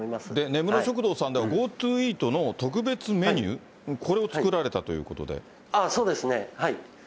根室食堂さんではＧｏＴｏイートの特別メニュー、これを作そうですね。